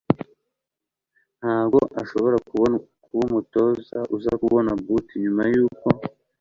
ntago ashobora kuba umutoza uza kubona boot nyuma yuko